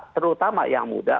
terutama yang muda